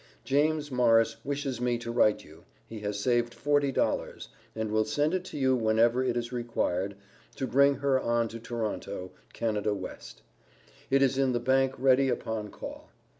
James Morris wishes me to write you he has saved forty dollars, and will send it to you whenever it is required, to bring her on to Toronto, Canada West. It is in the bank ready upon call.